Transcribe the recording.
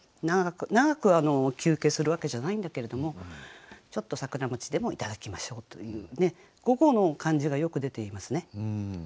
長く休憩するわけじゃないんだけれどもちょっと桜でもいただきましょうというね午後の感じがよく出ていますね。